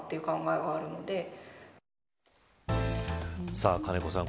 さあ金子さん